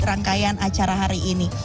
rangkaian acara hari ini